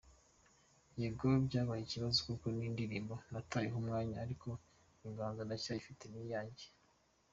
Yego byabaye ikibazo kuko ni indirimbo natayeho umwanya ariko inganzo ndacyayifite ni iyanjye.